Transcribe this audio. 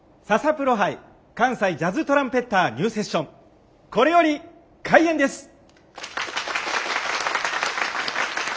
ササプロ杯関西ジャズトランペッターニューセッションこれより開演です。